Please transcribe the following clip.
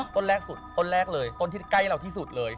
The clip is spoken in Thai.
ต้นแรกสุดต้นแรกเลยต้นที่ใกล้เราที่สุดเลย